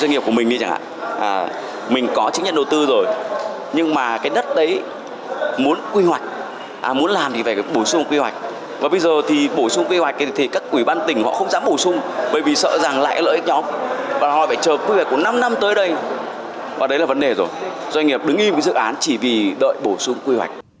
họ phải chờ quy hoạch của năm năm tới đây và đấy là vấn đề rồi doanh nghiệp đứng im cái dự án chỉ vì đợi bổ sung quy hoạch